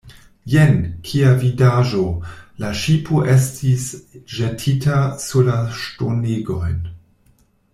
Jen, kia vidaĵo! La ŝipo estis ĵetita sur la ŝtonegojn.